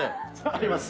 あります。